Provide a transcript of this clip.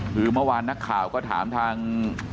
คือเมื่อวานนักข่าวก็ถามทาง